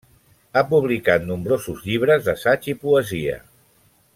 Ha publicat nombrosos llibres d’assaig i poesia.